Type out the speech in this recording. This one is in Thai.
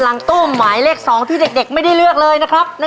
ร้านตู้หมายเลขสี่โบนัสจะได้กลับไปเท่าไหร่